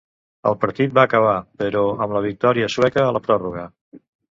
El partit va acabar, però, amb la victòria sueca a la pròrroga.